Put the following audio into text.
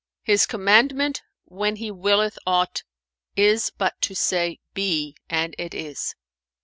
'His commandment when He willeth aught, is but to say, BE,—and IT IS.'"